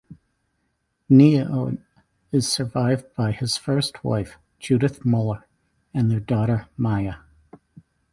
Neon is survived by his first wife, Judith Muller and their daughter Maya.